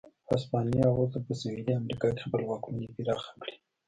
هسپانیا غوښتل په سوېلي امریکا کې خپله واکمني پراخه کړي.